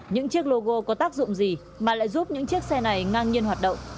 những chiếc logo có tác dụng gì mà lại giúp những chiếc xe này ngang nhiên hoạt động